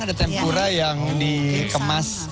ada tempura yang dikemas